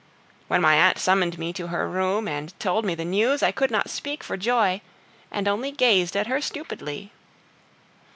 When my aunt summoned me to her room and told me the news, I could not speak for joy, and only gazed at her stupidly.